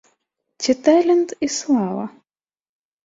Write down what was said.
Ці талент і слава?